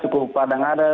suku padang ada